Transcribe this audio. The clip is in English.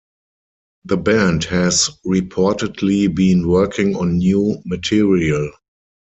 The band has reportedly been working on new material.